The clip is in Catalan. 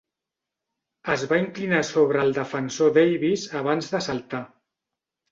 Es va inclinar sobre el defensor Davis abans de saltar.